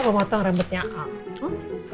mau potong rembetnya apa